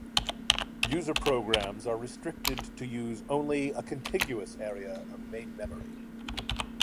User programs are restricted to use only a contiguous area of main memory.